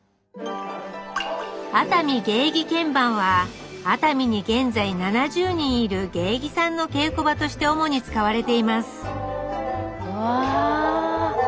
「熱海芸妓見番」は熱海に現在７０人いる芸妓さんの稽古場として主に使われていますわあ。